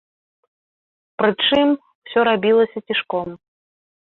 Прычым, усё рабілася цішком.